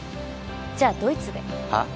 じゃあドイツではっ？